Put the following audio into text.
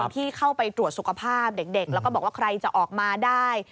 ที่เข้าไปตรวจสุขภาพเด็กแล้วก็บอกว่าใครจะออกมาได้